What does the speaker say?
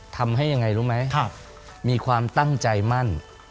ทำให้ยังไงรู้ไหมมีความตั้งใจมั่น